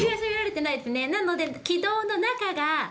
なので。